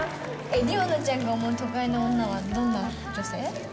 理央奈ちゃんが思う都会の女は、どんな女性？